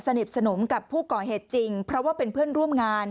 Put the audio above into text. สนิทสนมกับผู้ก่อเหตุจริงเพราะว่าเป็นเพื่อนร่วมงาน